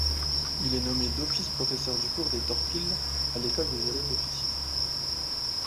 Il est nommé d'office professeur du cours des torpilles à l'école des élèves officiers.